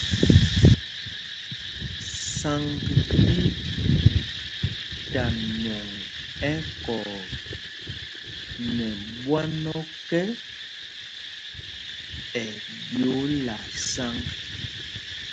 Sǎŋg ɗí ta nwɔŋ ɛkɔɔ nɛ mbwán ɔ́kɛ, ɛ ɓyōōla sǎŋg.